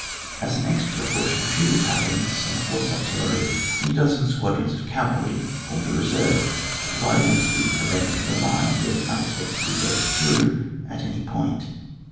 As an extra precaution, a few battalions, some horse artillery, and a dozen squadrons of cavalry, formed a reserve to provide against the event of the line being unex pectedly burst through at any point.